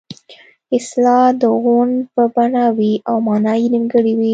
اصطلاح د غونډ په بڼه وي او مانا یې نیمګړې وي